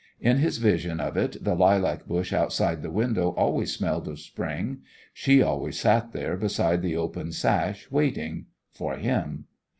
In his vision of it the lilac bush outside the window always smelled of spring; she always sat there beside the open sash, waiting for him.